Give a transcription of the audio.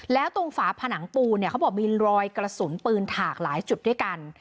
แล้วตรงฝาผนังปูเนี่ยเขาบอกมีรอยกระสุนปืนถากหลายจุดด้วยกัน